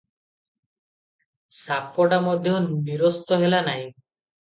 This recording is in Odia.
ସାପଟା ମଧ୍ୟ ନିରସ୍ତ ହେଲା ନାହିଁ ।